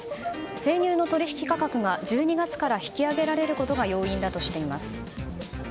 生乳の取引価格が１２月から引き上げられることが要因だとしています。